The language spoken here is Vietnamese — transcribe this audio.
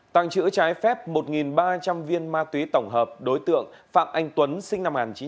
tăng chữ trái phép một ba trăm linh viên ma túy tổng hợp đối tượng phạm anh tuấn sinh năm một nghìn chín trăm tám mươi sáu